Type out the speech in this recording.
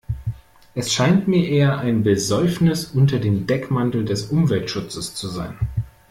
Es scheint mir eher ein Besäufnis unter dem Deckmantel des Umweltschutzes zu sein.